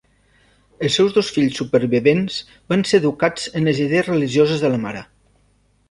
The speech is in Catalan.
Els seus dos fills supervivents van ser educats en les idees religioses de la mare.